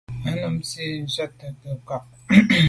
A num nzin njù tèttswe nke nkwa’a.